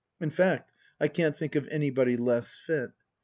In fact, I can't think of anybody less fit.